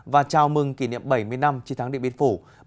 và chào mừng kỷ niệm bảy mươi năm chiến thắng điện biên phủ